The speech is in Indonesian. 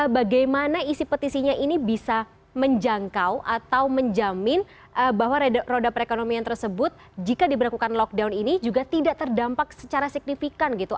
bagaimana isi petisinya ini bisa menjangkau atau menjamin bahwa roda perekonomian tersebut jika diberlakukan lockdown ini juga tidak terdampak secara signifikan gitu